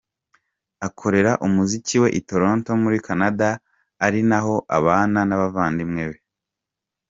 Akorera umuziki we i Toronto muri Canada ari naho abana n’abavandimwe be.